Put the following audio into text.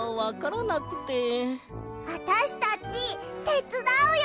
あたしたちてつだうよ！